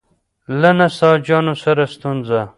له نساجانو سره ستونزه.